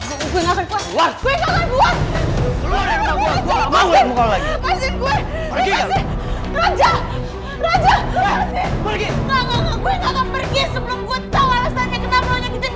aku akan pergi sebelum gue tau alasannya kenapa lo nyangkutin gue